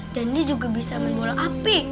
dan dia juga bisa main bola api